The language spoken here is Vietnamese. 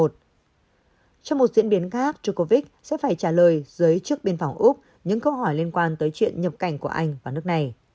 trong một diễn biến khác cho covid sẽ phải trả lời giới chức biên phòng úc những câu hỏi liên quan tới chuyện nhập cảnh của anh vào nước này